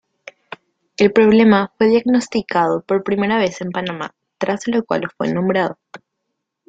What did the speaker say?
El problema fue diagnosticado por primera vez en Panamá tras lo cual fue nombrado.